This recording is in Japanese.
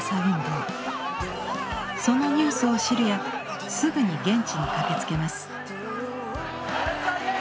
そのニュースを知るやすぐに現地に駆けつけます。